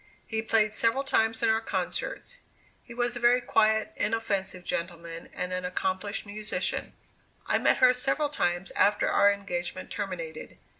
He played several times in our concerts. He was a very quiet, inoffensive gentleman, and an accomplished musician. I met her several times after our engagement terminated.